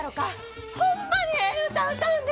ホンマにええ歌歌うんです！